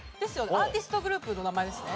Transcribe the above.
アーティストグループの名前ですね。